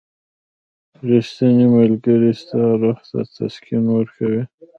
• ریښتینی ملګری ستا روح ته تسکین ورکوي.